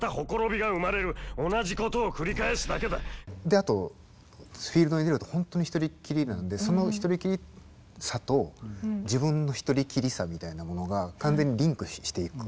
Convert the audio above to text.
あとフィールドに出るとほんとに一人きりなんでその一人きりさと自分の一人きりさみたいなものが完全にリンクしていく。